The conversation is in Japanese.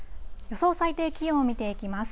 予想最低気温見ていきます。